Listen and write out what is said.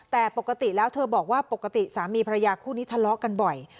แต่ปกติแล้วเธอบอกว่าปกติสามีภรรยาคู่นี้ทะเลาะกันบ่อย